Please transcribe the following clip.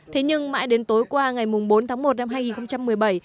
thế nhưng mãi đến tối qua ngày bốn tháng một năm hai nghìn một mươi bảy